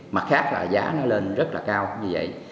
mặt khác là giá nó lên rất là cao như vậy